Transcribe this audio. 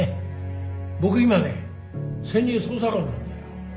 僕今ね潜入捜査官なんだよ。